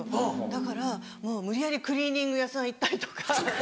だからもう無理やりクリーニング屋さん行ったりとか。